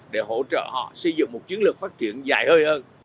để hỗ trợ họ xây dựng một chiến lược phát triển dài hơi hơn